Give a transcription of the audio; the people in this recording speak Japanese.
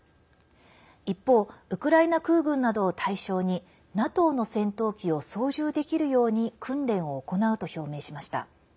一方ウクライナ空軍などを対象にＮＡＴＯの戦闘機を操縦できるように訓練を行うと表明しました。